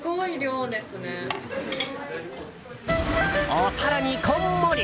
お皿にこんもり！